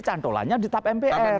malahnya di tap mpr